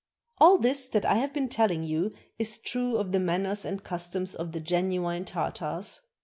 All this that I have been telling you is true of the man ners and customs of the genuine Tartars.